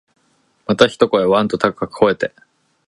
また一声、わん、と高く吠えて、